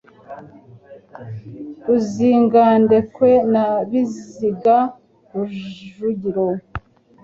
Ruzingandekwe rwa Biziga rujugiro